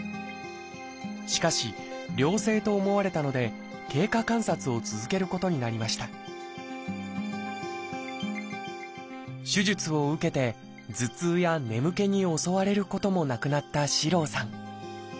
しかし良性と思われたので経過観察を続けることになりました手術を受けて頭痛や眠気に襲われることもなくなった四郎さん。